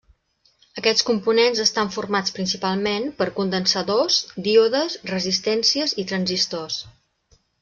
Aquests components estan formats, principalment, per condensadors, díodes, resistències i transistors.